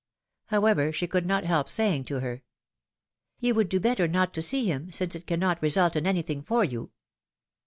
However, she could not help saying to her : You would do better not to see him, since it cannot result in anything for you